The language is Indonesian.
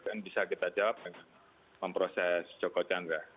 dan bisa kita jawab dengan memproses joko candra